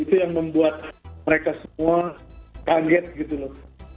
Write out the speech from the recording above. itu yang membuat mereka semua kaget gitu loh